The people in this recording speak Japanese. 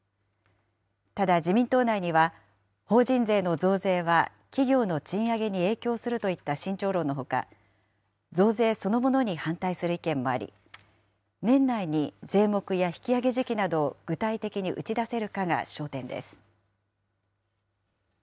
ただ、自民党内には、法人税の増税は企業の賃上げに影響するといった慎重論のほか、増税そのものに反対する意見もあり、年内に税目や引き上げ時期などを具体的に打ち出せるかが焦点です。